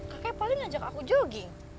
kakek paling ngajak aku jogging